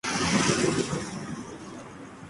Fue cancelada luego de sólo una temporada.